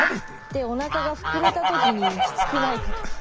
でおなかが膨れた時にきつくないかとか。